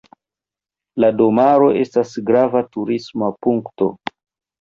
La domaro estas grava turisma punkto.